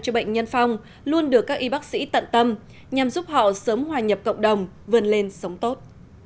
cho bệnh nhân phong luôn được các y bác sĩ tận tâm nhằm giúp họ sớm hòa nhập cộng đồng vươn lên sống tốt